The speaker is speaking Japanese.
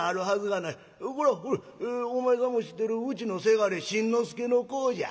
これはほれお前さんも知ってるうちの倅新之助の子じゃ。